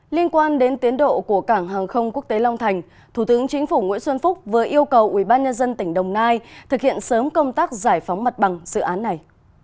liên quan đến tiến độ của cảng hàng không quốc tế long thành thủ tướng chính phủ nguyễn xuân phúc vừa yêu cầu ubnd tỉnh đồng nai thực hiện sớm công tác giải phóng mặt bằng dự án này